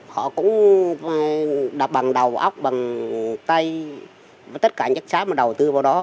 họ cũng đặt bằng đầu ốc bằng tay với tất cả những chất xác mà đầu tư vào đó